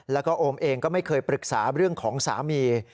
แล้วก็โอมเองก็ไม่เคยปรึกษาเรื่องของสามี